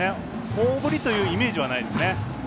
大振りというイメージはないですね。